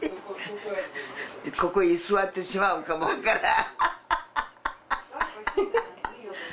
ここへ居座ってしまうかも分からんハハハハ